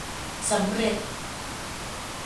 สำเร็จ